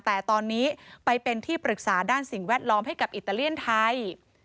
แต่ตอนนี้ไปเป็นที่ปรึกษาด้านสิ่งแวดล้อมให้กับอิตาเลียนไทย